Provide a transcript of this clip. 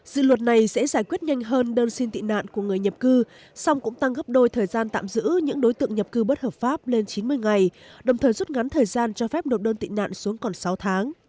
dự luật này sẽ giải quyết nhanh hơn đơn xin tị nạn của người nhập cư song cũng tăng gấp đôi thời gian tạm giữ những đối tượng nhập cư bất hợp pháp lên chín mươi ngày đồng thời rút ngắn thời gian cho phép nộp đơn tị nạn xuống còn sáu tháng